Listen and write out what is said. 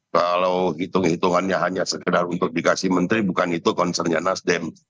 kalau hitung hitungannya hanya sekedar untuk dikasih menteri bukan itu concernnya nasdem